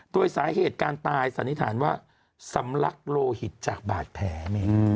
โดยสาเหตุการตายสันนิษฐานว่าสำลักโลหิตจากบาดแผล